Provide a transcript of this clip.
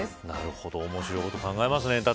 なるほど面白いこと考えてますね。